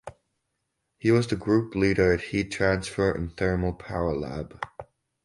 He was the group leader at Heat Transfer and Thermal Power Lab.